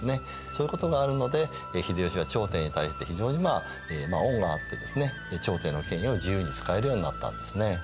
そういうことがあるので秀吉は朝廷に対して非常にまあ恩があってですね朝廷の権威を自由に使えるようになったんですね。